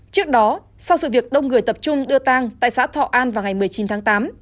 trước đó sau sự việc đông người tập trung đưa tang tại xã thọ an vào ngày một mươi chín tháng tám